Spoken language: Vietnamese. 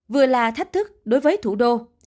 vừa là thách thức đối với thủ đô